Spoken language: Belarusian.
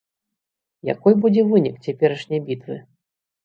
Якой будзе вынік цяперашняй бітвы?